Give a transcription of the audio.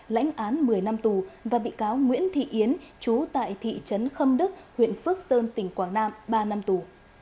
lãnh án một mươi năm tù và bị cáo nguyễn thị yến chú tại thị trấn khâm đức huyện phước sơn tỉnh quảng nam ba năm tù